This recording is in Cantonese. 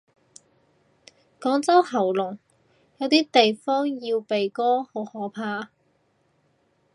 廣州喉嚨，有啲地方要鼻哥，好可怕。